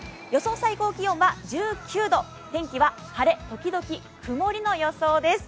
最高気温は１９度、天気は晴れ時々曇りの予想です。